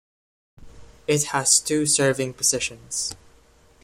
It has two serving positions.